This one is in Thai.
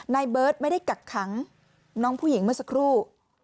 นายเบิร์ตไม่ได้กักขังน้องผู้หญิงเมื่อสักครู่